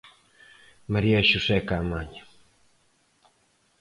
María Xosé Caamaño.